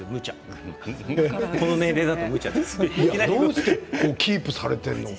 どうやってキープされているんですか？